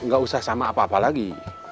gak usah sama apa apa lagi